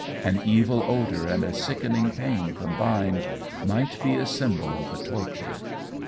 An evil odour and a sickening pain combined, might be a symbol of the torture.